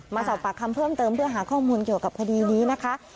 มาสอบปากคำเพิ่มเติมเพื่อหาข้อมูลเกี่ยวกับคดีนี้นะคะ